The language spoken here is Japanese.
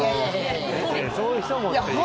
そういう人もっていう。